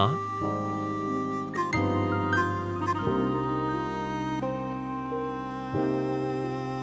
đúng rồi đúng rồi